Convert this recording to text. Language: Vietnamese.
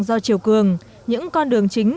do chiều cường những con đường chính